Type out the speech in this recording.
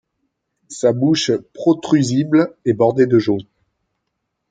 Sa bouche protrusible est bordée de jaune.